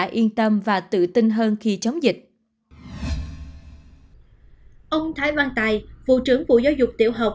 trẻ tự tâm và tự tin hơn khi chống dịch ông thái văn tài vụ trưởng bộ giáo dục tiểu học